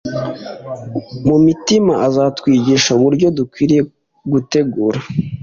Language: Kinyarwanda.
mu mitima azatwigisha uburyo dukwiriye gutegura